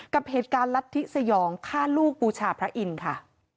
กับเหตุการณ์ลัทธิสยองฆ่าลูกบูชาพระอินทร์ค่ะ